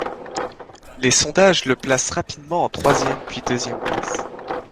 Les sondages le placent rapidement en troisième puis deuxième place.